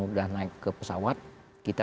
udah naik ke pesawat kita